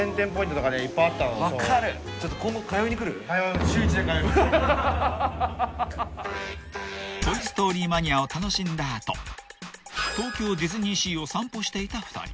［トイ・ストーリー・マニア！を楽しんだ後東京ディズニーシーを散歩していた２人］